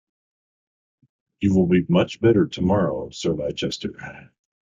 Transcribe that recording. You will be much better tomorrow, Sir Leicester.